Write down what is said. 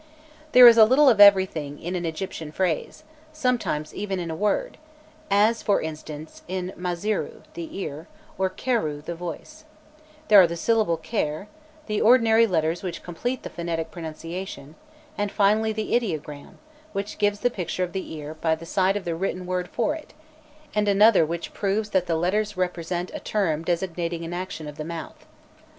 There is a little of everything in an Egyptian phrase, sometimes even in a word; as, for instance, in [] maszirû, the ear, or [] kherôû, the voice; there are the syllables [] kher, the ordinary letters [], which complete the phonetic pronunciation, and finally the ideograms, namely, [], which gives the picture of the ear by the side of the written word for it, and [] which proves that the letters represent a term designating an action of the mouth.